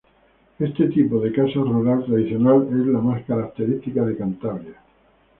Este tipo de casa rural tradicional es la más característica de Cantabria.